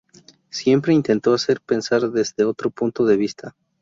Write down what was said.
Siempre intentó hacer pensar desde otro punto de vista.